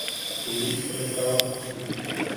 У війську не стало харчів.